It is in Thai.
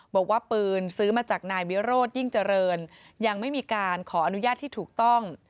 บอกว่าปืนซื้อมาจากนายวิโรธยิ่งเจริญยังไม่มีการขออนุญาตที่ถูกต้อง